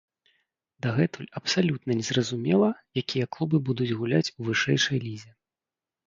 Дагэтуль абсалютна не зразумела, якія клубы будуць гуляць у вышэйшай лізе.